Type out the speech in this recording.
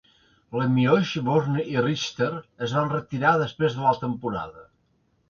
Lemieux, Burnie i Richter es van retirar després de la temporada.